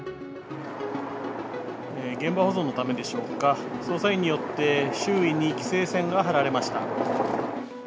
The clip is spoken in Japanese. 現場保存のためでしょうか、捜査員によって周囲に規制線が張られました。